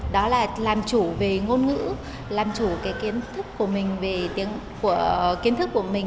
đó là làm chủ về ngôn ngữ làm chủ cái kiến thức của mình về tiếng của kiến thức của mình